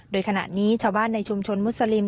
โดยขณะนี้ชาวบ้านในชุมชนมุสลิม